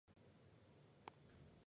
浦和车站的铁路车站。